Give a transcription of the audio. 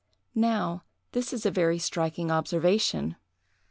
Now, this is a very striking observation.